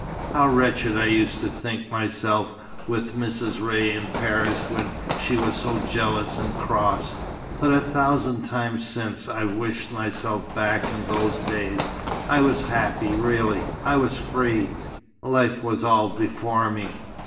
How wretched I used to think myself, with Mrs. Ray in Paris, when she was so jealous and cross! But a thousand times since, I've wished myself back in those days. I was happy, really. I was free. Life was all before me."